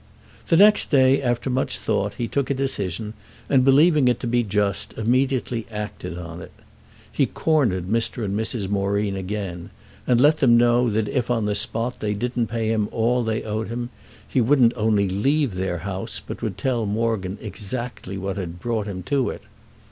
The next day, after much thought, he took a decision and, believing it to be just, immediately acted on it. He cornered Mr. and Mrs. Moreen again and let them know that if on the spot they didn't pay him all they owed him he wouldn't only leave their house but would tell Morgan exactly what had brought him to it.